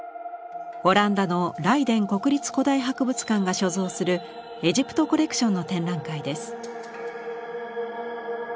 オランダのライデン国立古代博物館が所蔵するエジプト・コレクションの展覧会です。